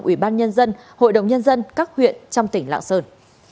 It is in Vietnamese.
ủy ban nhân dân hội đồng nhân dân các huyện trong tỉnh lạng sơn